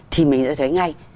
thì mình sẽ thấy ngay